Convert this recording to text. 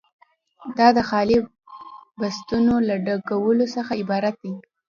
دا د خالي بستونو له ډکولو څخه عبارت دی.